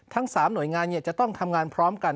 ทั้ง๓หน่วยงานจะต้องทำงานพร้อมกัน